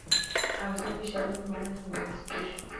افغانستان کې ښارونه په هنر کې منعکس کېږي.